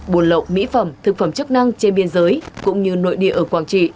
buôn lậu mỹ phẩm thực phẩm chức năng trên biên giới cũng như nội địa ở quảng trị